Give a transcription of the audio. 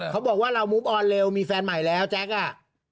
เขาบอกว่าเรามุบออนเร็วมีแฟนใหม่แล้วแจ๊คอ่ะ